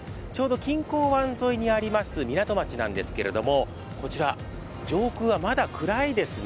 錦江湾沿いにある港町なんですけど、こちら、上空はまだ暗いですね。